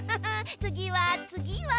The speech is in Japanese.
つぎはつぎは。